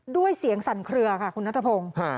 ด้วยเสียงสั่นเคลือค่ะคุณนัทพงศ์